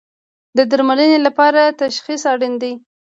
د درملنې لپاره تشخیص اړین دی